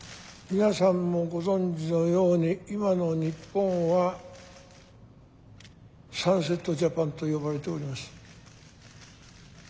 皆さんもご存じのように今の日本はサンセット・ジャパンと呼ばれております。